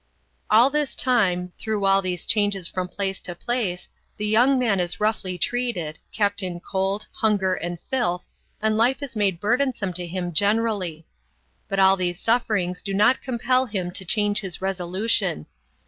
All this time, through all these changes from place to place, the young man is roughly treated, kept in cold, hunger, and filth, and life is made burdensome to him generally. But all these sufferings do not compel him to change his resolution.